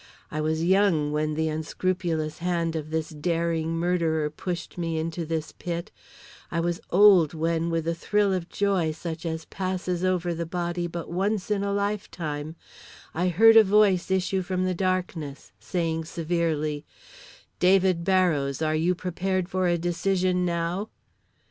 I was young when the unscrupulous hand of this daring murderer pushed me into this pit; I was old when with a thrill of joy such as passes over the body but once In a life time, I heard a voice issue from the darkness, saying severely, "David Barrows, are you prepared for a decision now?"